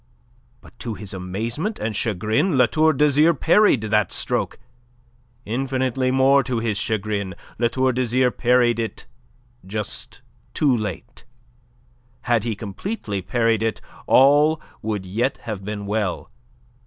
But to his amazement and chagrin, La Tour d'Azyr parried the stroke; infinitely more to his chagrin La Tour d'Azyr parried it just too late. Had he completely parried it, all would yet have been well.